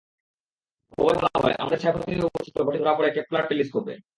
খবরে বলা হয়, আমাদের ছায়াপথেই অবস্থিত গ্রহটি ধরা পড়ে কেপলার টেলি-স্কোপে।